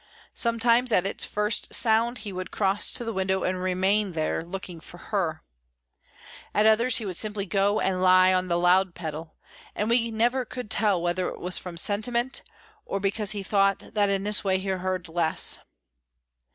Sometimes, at its first sound, he would cross to the window and remain there looking for Her. At others, he would simply go and lie on the loud pedal, and we never could tell whether it was from sentiment, or because he thought that in this way he heard less.